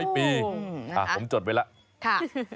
๕๐๐ปีผมจดไว้ล่ะ